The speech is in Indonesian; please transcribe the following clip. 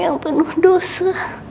yang penuh dosa